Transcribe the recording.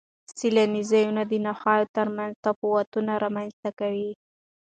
سیلاني ځایونه د ناحیو ترمنځ تفاوتونه رامنځ ته کوي.